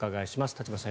立花さん